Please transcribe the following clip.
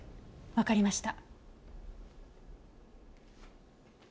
わかりました。